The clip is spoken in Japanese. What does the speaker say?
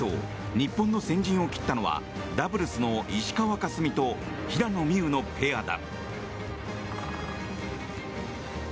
日本の先陣を切ったのはダブルスの石川佳純と平野美宇のペアだ。